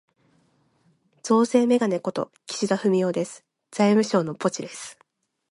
増税めがね事、岸田文雄です。財務省のポチです。